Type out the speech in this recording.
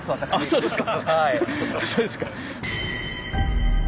あそうですか。